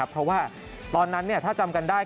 เพราะว่าตอนนั้นถ้าจำกันได้